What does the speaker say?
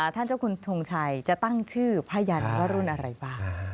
ท่านเจ้าคุณทงชัยจะตั้งชื่อพยันว่ารุ่นอะไรบ้าง